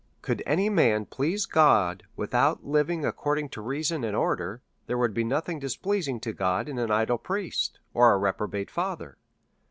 Could any man please God without living ac cording to reason and order, there would be nothing displeasing to God in an idle priest or a reprobate fa ther.